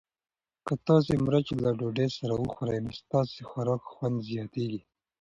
که تاسي مرچ له ډوډۍ سره وخورئ نو ستاسو د خوراک خوند زیاتیږي.